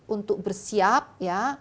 untuk bersiap ya